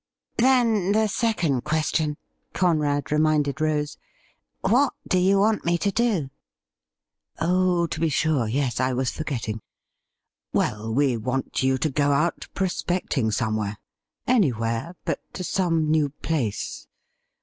' Then the second question,' Conrad reminded Rose. ' What do you want me to do ?' Oh, to be sure — ^yes, I was forgetting. Well, we want you to go out prospecting somewhere — anywhere, but to some new place..